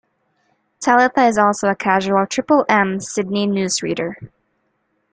Talitha is also a casual Triple M Sydney newsreader.